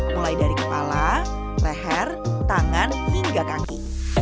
mulai dari kepala leher tangan hingga kaki